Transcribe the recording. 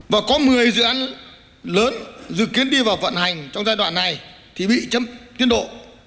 và có một mươi dự án lớn dự kiến đi vào vận hành trong giai đoạn này thì bị chậm tiến độ